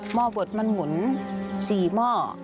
หม้อบดมันหลุนสี่หม้อ